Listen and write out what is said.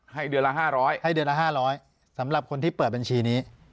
ให้เดือนละ๕๐๐ไม้สำหรับคนที่เปิดบัญชีนี้